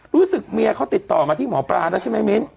เมียเขาติดต่อมาที่หมอปลาแล้วใช่ไหมมิ้น